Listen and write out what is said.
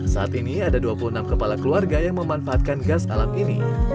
saat ini ada dua puluh enam kepala keluarga yang memanfaatkan gas alam ini